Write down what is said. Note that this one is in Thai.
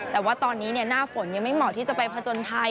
แต่ว่าตอนนี้หน้าฝนยังไม่เหมาะที่จะไปผจญภัย